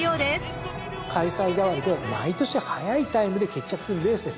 開催替わりで毎年速いタイムで決着するレースです。